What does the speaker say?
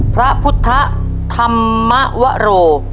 พระพุทธธรรมวโร